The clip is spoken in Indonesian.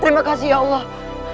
terima kasih ya allah